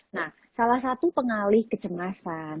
nah salah satu pengalih kecemasan